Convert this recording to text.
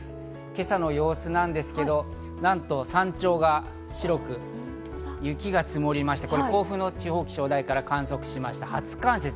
今朝の様子なんですけど、なんと山頂が白く、雪が積もりまして、甲府の地方気象台が観測しました、初冠雪。